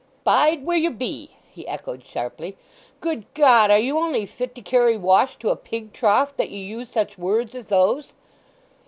"'Bide where you be,'" he echoed sharply, "Good God, are you only fit to carry wash to a pig trough, that ye use such words as those?"